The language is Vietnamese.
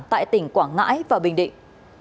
tại tỉnh quảng ngãi và bình định